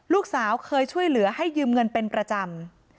ลูกสาวเคยช่วยเหลือให้ยืมเงินเป็นประจำ